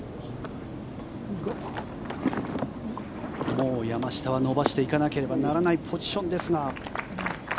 もう山下は伸ばしていかなければならないポジションですが。